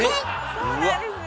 そうなんです。